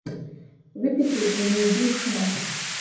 Выпі тут і не ідзі ў шынок.